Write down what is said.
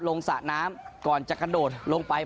สระน้ำก่อนจะกระโดดลงไป